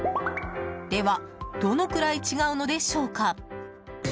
では、どのくらい違うのでしょうか？